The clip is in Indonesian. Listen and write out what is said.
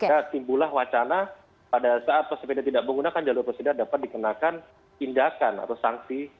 maka timbulah wacana pada saat pesepeda tidak menggunakan jalur pesepeda dapat dikenakan tindakan atau sanksi